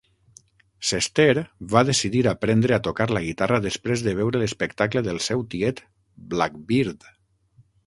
Cester va decidir aprendre a tocar la guitarra després de veure l"espectable del seu tiet "Blackbird".